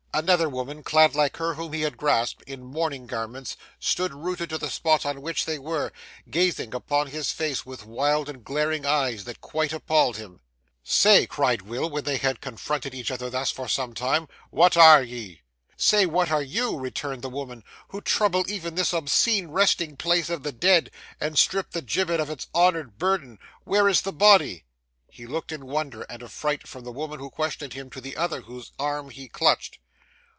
Another woman, clad, like her whom he had grasped, in mourning garments, stood rooted to the spot on which they were, gazing upon his face with wild and glaring eyes that quite appalled him. 'Say,' cried Will, when they had confronted each other thus for some time, 'what are ye?' 'Say what are you,' returned the woman, 'who trouble even this obscene resting place of the dead, and strip the gibbet of its honoured burden? Where is the body?' He looked in wonder and affright from the woman who questioned him to the other whose arm he clutched.